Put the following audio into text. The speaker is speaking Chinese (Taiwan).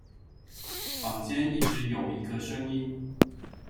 坊間一直有一個聲音